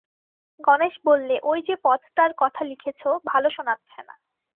গণেশ বললে, ঐ যে পথটার কথা লিখেছ ভালো শোনাচ্ছে না।